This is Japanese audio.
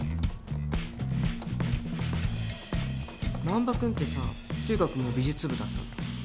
難破君ってさ中学も美術部だったの？